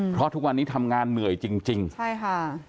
เพราะทุกวันนี้ทำงานเหนื่อยจริงจริงใช่ค่ะ